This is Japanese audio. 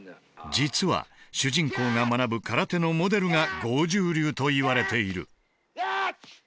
実は主人公が学ぶ空手のモデルが剛柔流といわれている。